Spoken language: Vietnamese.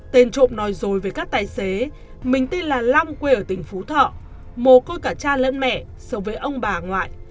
tên trộm nói dối với các tài xế minh tên là long quê ở tỉnh phú thọ mồ côi cả cha lẫn mẹ sống với ông bà ngoại